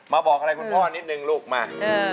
บอกอะไรคุณพ่อนิดนึงลูกมา